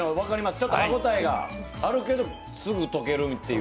ちょっと歯応えがあるけどすぐ溶けるっていう。